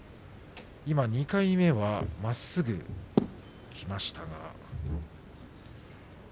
２回目はまっすぐきました。